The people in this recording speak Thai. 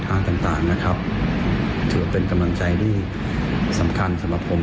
ภาพต่างนะครับจะเป็นกำลังใจสำคัญสำหรับผม